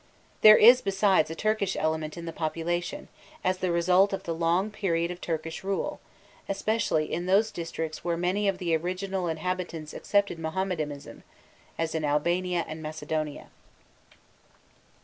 There is besides a Turkish element in the population, as the result of the long period of Turkish rule, especially in those districts where many of the original inhabitants accepted Mohammedanism, as in Albania and Macedonia.